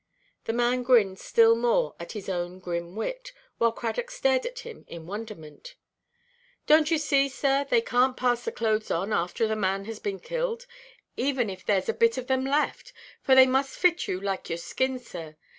The man grinned still more at his own grim wit, while Cradock stared at him in wonderment. "Donʼt you see, sir, they canʼt pass the clothes on, after the man has been killed, even if thereʼs a bit of them left; for they must fit you like your skin, sir.